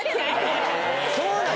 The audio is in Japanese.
そうなの？